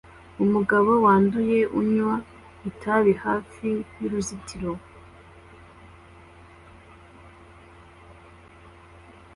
Umugabo wanduye unywa itabi hafi y'uruzitiro